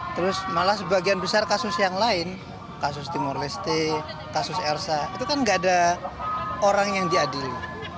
terus malah sebagian besar kasus yang lain kasus timur leste kasus ersa itu kan gak ada orang yang diadili